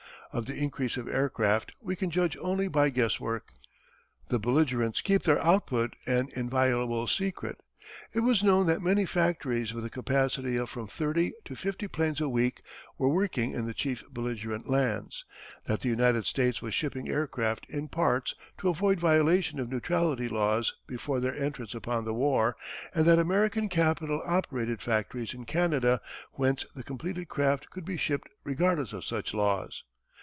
Of the increase of aircraft we can judge only by guesswork. The belligerents keep their output an inviolable secret. It was known that many factories with a capacity of from thirty to fifty 'planes a week were working in the chief belligerent lands, that the United States was shipping aircraft in parts to avoid violation of neutrality laws before their entrance upon the war, and that American capital operated factories in Canada whence the completed craft could be shipped regardless of such laws.